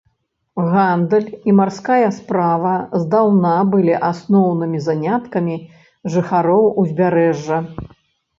Гандаль і марская справа здаўна былі асноўнымі заняткамі жыхароў узбярэжжа.